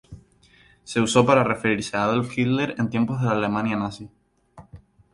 Se usó para referirse a Adolf Hitler en tiempos de la Alemania nazi.